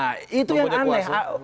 nah itu yang aneh